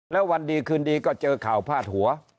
แล้ววันดีคืนดีก็เจอข่าวพาดหัว